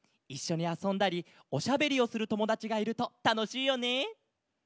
いっしょにあそんだりおしゃべりをするともだちがいるとたのしいよね。